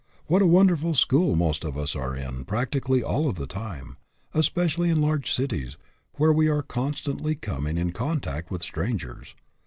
What a wonderful school most of us are in practically all of the time, especially in large cities, where we are constantly coming in con tact with strangers!